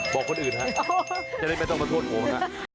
บอกคนอื่นฮะจะได้ไม่ต้องมาโทษผมฮะ